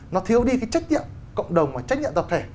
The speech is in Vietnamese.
nó thiếu đi cái trách nhiệm cộng đồng và trách nhiệm tập thể